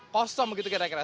kosong begitu kira kira